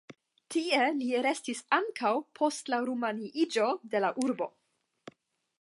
Tie li restis ankaŭ post la rumaniiĝo de la urbo.